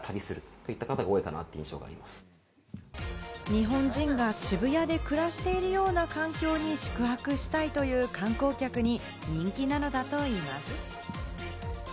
日本人が渋谷で暮らしているような環境に宿泊したいという観光客に人気なのだといいます。